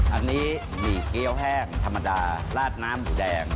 อันนี้หมี่เกี้ยวแห้งธรรมดาราดน้ำหมูแดง